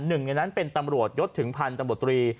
หนึ่งในนั้นเป็นตำรวจยศถึงพันธุ์ตำรวจตรี